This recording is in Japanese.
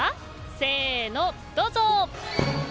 せーの、どうぞ。